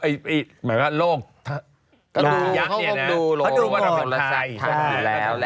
เอ่ยหมายความว่าโลกถ้าโลกยักษ์เนี้ยนะเขาดูหมดทายทายอยู่แล้วแหละ